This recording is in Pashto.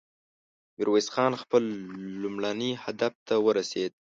ميرويس خان خپل لومړني هدف ته ورسېد.